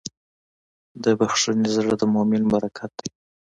د بښنې زړه د مؤمن برکت دی.